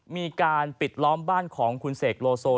มีการปิดล้อมบ้านของคุณเสกโลโซ